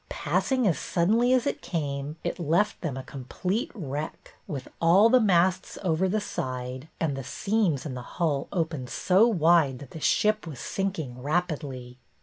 Passing as suddenly as it came, it left them a com plete wreck, with all the masts over the side and the seams in the hull opened so wide that the ship was sinking rapidly.